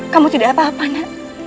kamu tidak apa apa nda